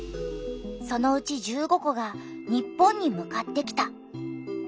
そのうち１５個が日本に向かってきた。